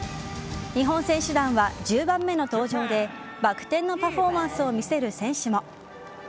日本選手団は１０番目の登場でバク転のパフォーマンスを見せる選手も。